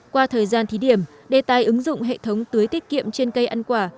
qua thời gian thí điểm đề tài ứng dụng hệ thống tưới tiết kiệm trên cây ăn quả